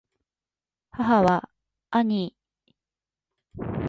母は兄許り贔負にして居た。此兄はやに色が白くつて、芝居の真似をして女形になるのが好きだつた。